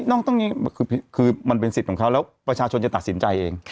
ตรงนี้คือมันเป็นสิทธิ์ของเขาแล้วประชาชนจะตัดสินใจเอง